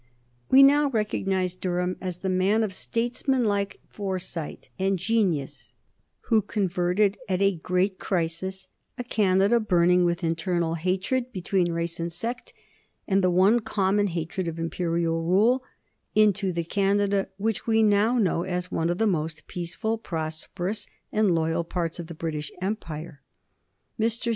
We now recognize Durham as the man of statesmanlike foresight and genius who converted, at a great crisis, a Canada burning with internal hatred between race and sect, and the one common hatred of Imperial rule, into the Canada which we now know as one of the most peaceful, prosperous, and loyal parts of the British Empire. Mr.